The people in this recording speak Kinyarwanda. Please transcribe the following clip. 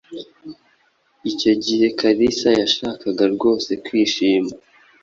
Icyo gihe Kalisa yashakaga rwose kwishima.